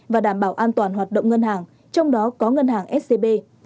và đảm bảo an toàn hoạt động ngân hàng trong đó có ngân hàng scb